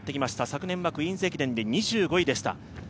昨年はクイーンズ駅伝で２５位でした。